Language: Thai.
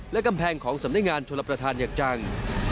และกำแพงของสำนักงานชลประธานอย่างจัง